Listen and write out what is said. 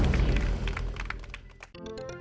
โน้ท